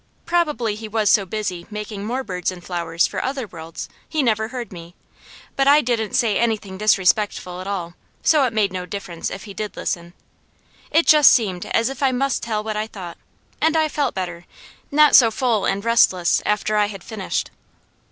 Probably He was so busy making more birds and flowers for other worlds, He never heard me; but I didn't say anything disrespectful at all, so it made no difference if He did listen. It just seemed as if I must tell what I thought, and I felt better, not so full and restless after I had finished.